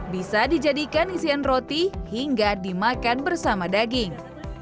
bisa dijadikan isian roti hingga dimakan bersama daging